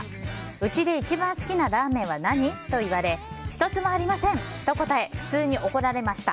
うちで一番好きなラーメンは何？と言われ１つもありませんと答え普通に怒られました。